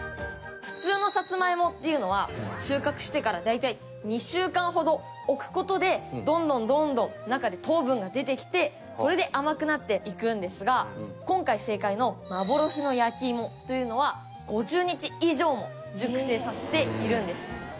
普通のサツマイモっていうのは収穫してから大体２週間ほど置く事でどんどんどんどん中で糖分が出てきてそれで甘くなっていくんですが今回正解の幻の焼き芋というのは５０日以上も熟成させているんです。